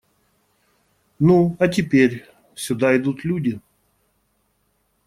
Ну, а теперь… сюда идут люди.